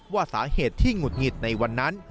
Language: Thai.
ว่าสาเหตุที่หงุดหงิดในวันนั้น